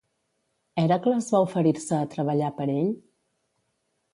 Hèracles va oferir-se a treballar per ell?